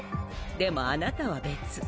でもあなたは別。